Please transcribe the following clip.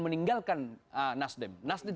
meninggalkan nasdem nasdem